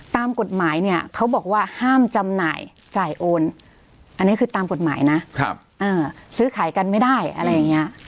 ตามกฎหมายเนี่ยเขาบอกว่าห้ามจำหน่ายจ่ายโอนอันนี้คือตามกฎหมายนะซื้อขายกันไม่ได้อะไรอย่างนี้